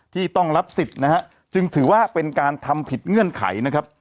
ที่ต้องรับสิทธิ์จึงถือว่าเป็นการทำผิดเงื่อนไข